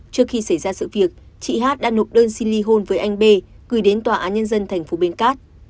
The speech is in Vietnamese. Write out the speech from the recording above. trước khi xảy ra sự việc chị hát đã nộp đơn xin ly hôn với anh b gửi đến tòa án nhân dân thành phố bến cát